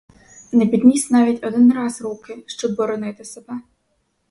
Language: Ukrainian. Не підніс навіть один раз руки, щоб боронити себе.